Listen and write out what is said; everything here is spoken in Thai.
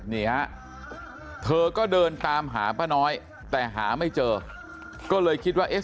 นี่ฮะเธอก็เดินตามหาป้าน้อยแต่หาไม่เจอก็เลยคิดว่าเอ๊ะ